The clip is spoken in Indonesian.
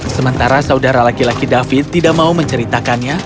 sementara saudara laki laki david tidak mau menceritakannya